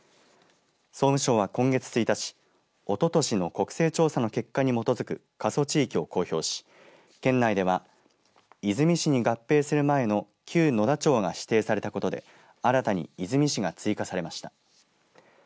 総務省は今月１日おととしの国勢調査の結果に基づく過疎地域を公表し県内では出水市に合併する前の旧野田町が指定されたことで新たに出水市が追加されました。